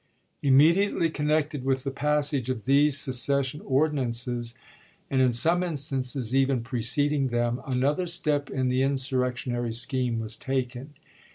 Immediately connected with the passage of these secession ordinances, and in some instances even preceding them, another step in the insurrec tionary scheme was taken.